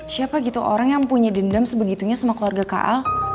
siapa gitu orang yang punya dendam sebegitunya sama keluarga kal